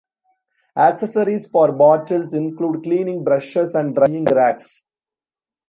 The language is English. Accessories for bottles include cleaning brushes and drying racks.